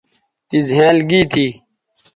تی زھینئل گی تھی